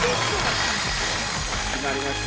決まりました！